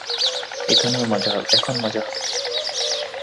এখন মজা হবে।